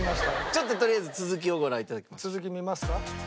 ちょっととりあえず続きをご覧いただきましょう。